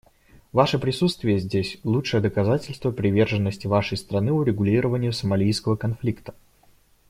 Ваше присутствие здесь — лучшее доказательство приверженности Вашей страны урегулированию сомалийского конфликта.